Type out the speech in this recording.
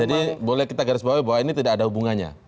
jadi boleh kita garis bawah bahwa ini tidak ada hubungannya